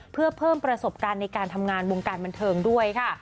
เพื่อเพิ่มประสบการณ์ในการทำงานวงการบันเทิงด้วยค่ะ